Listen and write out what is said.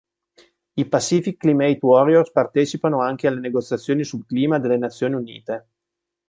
I Pacific Climate Warriors partecipano anche alle negoziazioni sul clima delle Nazioni Unite.